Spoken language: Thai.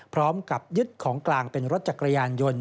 พร้อมกับยึดของกลางเป็นรถจักรยานยนต์